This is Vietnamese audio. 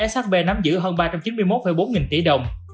shb nắm giữ hơn ba trăm chín mươi một bốn nghìn tỷ đồng